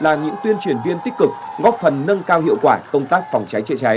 là những tuyên truyền viên tích cực góp phần nâng cao hiệu quả công tác phòng cháy chữa cháy